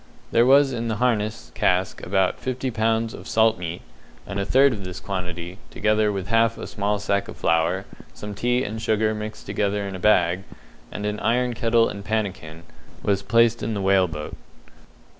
There was in the harness cask about fifty pounds of salt meat, and a third of this quantity, together with half a small sack of flour, some tea and sugar mixed together in a bag, and an iron kettle and pannikin, was placed in the whale boat.